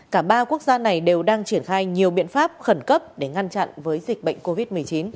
cả ba quốc gia này đều đang triển khai nhiều biện pháp khẩn cấp để ngăn chặn với dịch bệnh covid một mươi chín